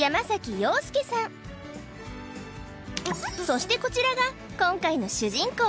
そしてこちらが今回の主人公